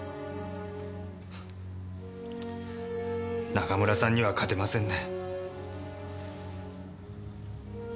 中村さんには勝てませんね。